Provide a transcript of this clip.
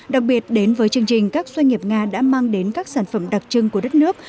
đặc biệt đến với chương trình các doanh nghiệp nga đã mang đến các sản phẩm đặc trưng của đất nước